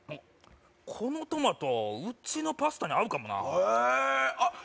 このトマトうちのパスタに合うかもなへえあ